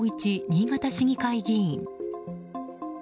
新潟市議会議員。